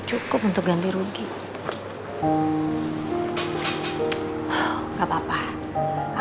son spiritual indudah wally